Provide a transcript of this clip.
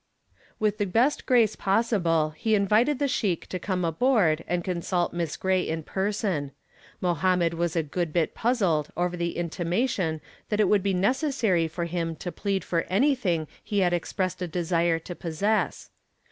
With the best grace possible he invited the sheik to come aboard and consult Miss Gray in person. Mohammed was a good bit puzzled over the intimation that it would be necessary for him to plead for anything he had expressed a desire to possess.